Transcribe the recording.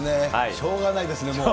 しょうがないですね、もう。